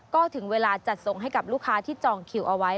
ก็ถึงเวลาจัดส่งให้กับลูกค้าที่จองคิวเอาไว้